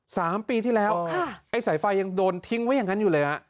สามปีที่แล้วค่ะไอ้สายไฟยังโดนทิ้งไว้อย่างงั้นอยู่เลยฮะ